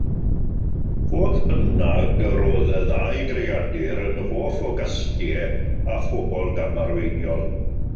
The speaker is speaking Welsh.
Fodd bynnag, roedd y ddau greadur yn hoff o gastiau a phobl gamarweiniol.